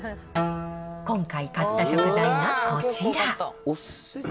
今回、買った食材がこちら。